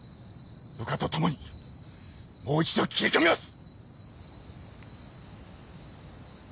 部下と共にもう一度切り込みます！